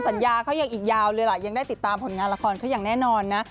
สัญญาเขายังอีกยาวเลยล่ะยังได้ติดตามผลงานละครเขาอย่างแน่นอนนะ